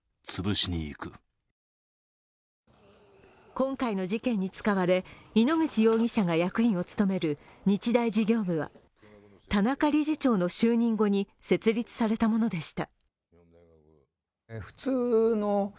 今回の事件に使われ井ノ口容疑者が役員を務める日大事業部は田中理事長の就任後に設立されたものでした。